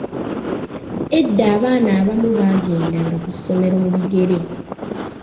Edda abaana abamu baagendanga ku ssomero mu bigere